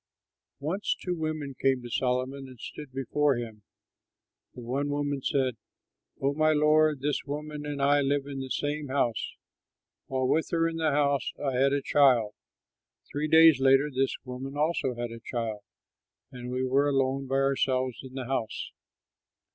Once two women came to Solomon and stood before him. The one woman said, "Oh, my lord, this woman and I live in the same house. While with her in the house I had a child. Three days later this woman also had a child, and we were alone by ourselves in the house.